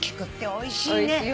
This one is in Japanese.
おいしいよね。